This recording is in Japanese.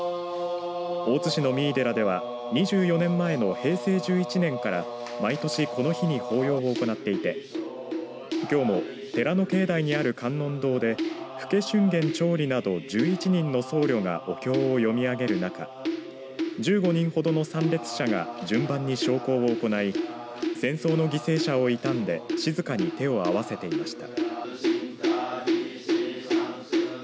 大津市の三井寺では２４年前の平成１１年から毎年この日に法要を行っていてきょうも寺の境内にある観音堂で福家俊彦長吏など１１人の僧侶がお経を読み上げるなか１５人ほどの参列者が順番に焼香を行い戦争の犠牲者を悼んで静かに手を合わせていました。